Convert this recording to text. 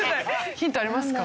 ヒントありますか？